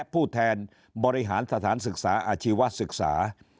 ผู้แทนบริหารสถานศึกษาอาชีวศึกษา